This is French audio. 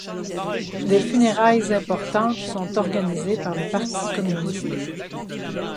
Des funérailles importantes sont organisées par le parti communiste.